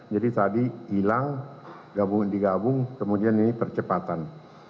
jadi tadi hilang digabung kemudian ini percepatan